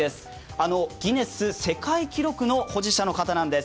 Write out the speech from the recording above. あのギネス世界記録の保持者の方なんです。